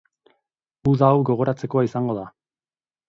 Uda hau gogoratzekoa izango da.